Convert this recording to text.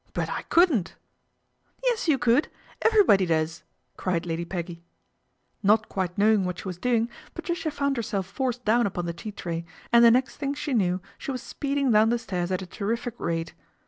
" But I couldn't." " Yes you could. Everybody does," crie Lady Peggy. Not quite knowing what she was doing Patrici found herself forced down upon the tea tray, an the next thing she knew was she was speedin down the stairs at a terrific rate.